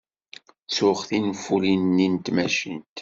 Ttuɣ tinfulin-nni n tmacint.